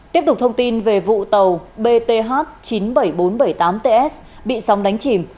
tiếp tục thông tin về vụ tàu bth chín mươi bảy nghìn bốn trăm bảy mươi tám ts bị sóng đánh chìm